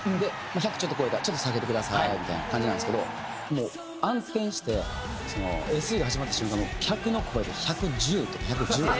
１００ちょっと超えたらちょっと下げてくださいみたいな感じなんですけど暗転してＳＥが始まった瞬間客の声で１１０とか１１０を超えて。